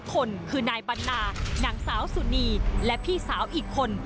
คนคือนายบรรณานางสาวสุนีและพี่สาวอีกคน